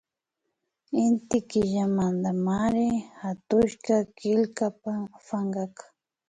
Inti Killamantamari hatushka killka pankaka